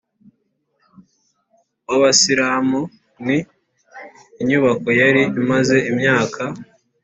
w’ Abasilamu, ni inyubako yari imaze imyaka